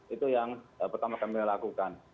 itu yang pertama kami lakukan